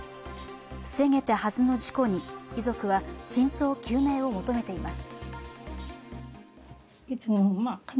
防げたはずの事故に、遺族は真相究明を求めています。